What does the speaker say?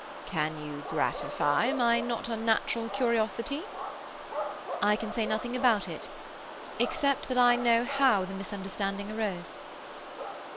"Can you gratify my not unnatural curiosity?" "I can say nothing about it, except that I know how the misunderstanding arose."